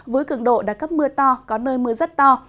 với cường độ đạt cấp mưa to có nơi mưa rất to